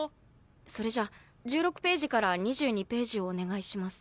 それじゃ１６ページから２２ページをお願いします。